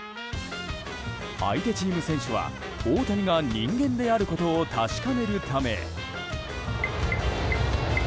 相手チーム選手は大谷が人間であることを確かめるため。